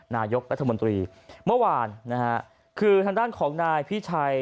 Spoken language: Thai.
นายกรัฐมนตรีเมื่อวานนะฮะคือทางด้านของนายพิชัย